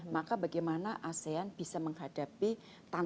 maka bagaimana asean bisa menghadapi tantangan